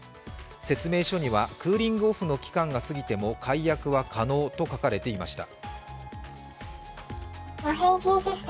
説明書には、クーリングオフの期間が過ぎても解約は可能と書かれていました。